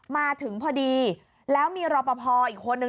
มาถึงพอดีแล้วมีรอปภอีกคนนึง